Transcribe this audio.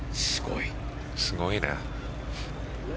すごいな。